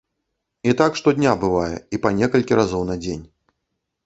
І так штодня, бывае, і па некалькі разоў на дзень.